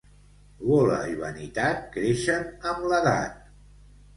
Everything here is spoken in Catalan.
Gola i vanitat creixen amb l'edat.